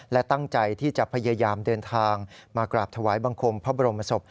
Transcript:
และตั้งใจที่จะพยายามเดินทางมากราบถวายบังคมพระบรมศพ